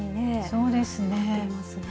そうですね。